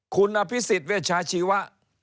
คุณอภิษฎเวชาชีวะ